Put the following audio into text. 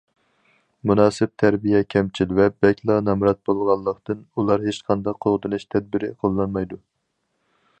مۇناسىپ تەربىيە كەمچىل ۋە بەكلا نامرات بولغانلىقتىن، ئۇلار ھېچقانداق قوغدىنىش تەدبىرى قوللانمايدۇ.